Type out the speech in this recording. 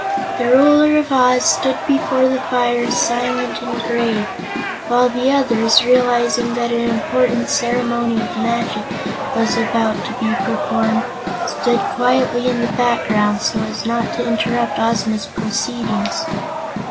The Ruler of Oz stood before the fire silent and grave, while the others, realizing that an important ceremony of magic was about to be performed, stood quietly in the background so as not to interrupt Ozma's proceedings.